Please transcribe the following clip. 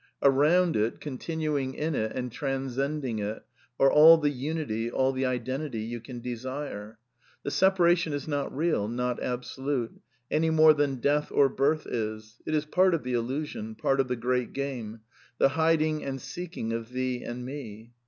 Around it, continuing in it and transcending it, are all the unity, all the identity you can desire. The separation is not real; not absolute; any more than death or birth is; it is part of the illusion ; part of the great game ;" the hid and seeking of thee and me."